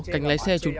cảnh lái xe chúng ta